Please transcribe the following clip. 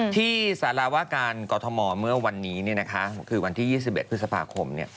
ที่สารวาการกอทมเมื่อวันนี้คือวันที่๒๑พฤษภาคม